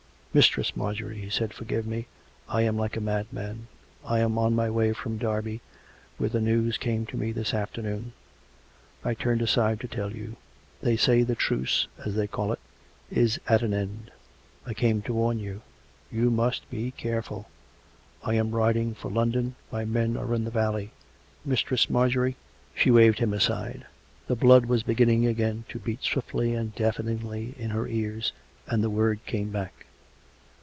" ]\Iistress Marjorie," he said, " forgive me. ... I am like a madman. I am on my way from Derby, where the news came to me this afternoon. I turned aside to tell you. They say the truce, as they call it, is at an end. I came to warn you. You mus't be careful. I am riding for London. My men are in the valley. Mistress Mar jorie " She waved him aside. The blood was beginning again to beat swiftly and deafeningly in her ears, and the word came back.